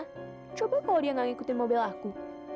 kok qua dia gak ngikutin mobil aku